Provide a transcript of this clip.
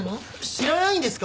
知らないんですか！？